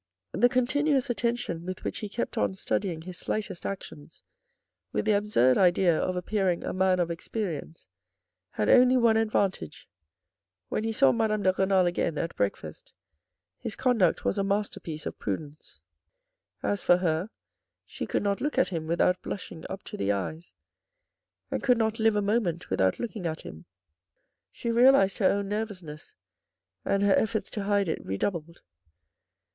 The continuous attention with which he kept on studying his slightest actions with the absurd idea of appearing a man of experience had only one advantage. When he saw Madame de Renal again at breakfast his conduct was a masterpiece of prudence. . As for her, she could not look at him without blushing up to the eyes, and could not live a moment without looking at him. She realised her own nervousness, and her efforts to hide it redoubled.